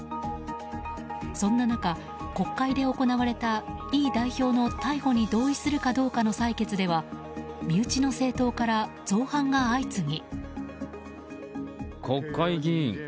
そんな中、国会で行われたイ代表の逮捕に同意するかどうかの採決では身内の政党から造反が相次ぎ。